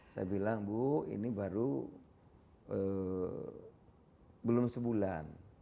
saya bilang bu ini baru belum sebulan